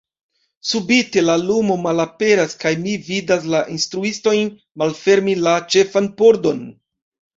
Subite la lumo malaperas, kaj mi vidas la instruiston malfermi la ĉefan pordon...